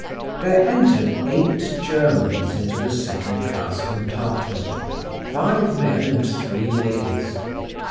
There entered eight Germans into the second class compartment, five men and three ladies.